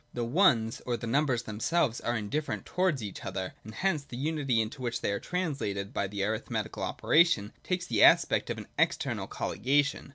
The Ones or the numbers themselves are indifferent towards each other, and hence the unity into which they are translated by the arithmetical operation takes the aspect of an external colligation.